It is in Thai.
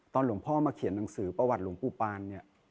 หลวงพ่อมาเขียนหนังสือประวัติหลวงปู่ปานเนี่ย